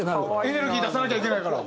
エネルギー出さなきゃいけないから。